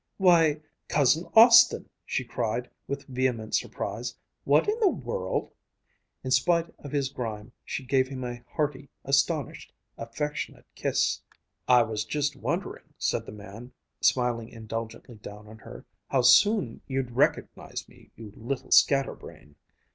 "Why, Cousin Austin!" she cried with vehement surprise, "what in the world " In spite of his grime, she gave him a hearty, astonished, affectionate kiss. "I was just wondering," said the man, smiling indulgently down on her, "how soon you'd recognize me, you little scatter brain."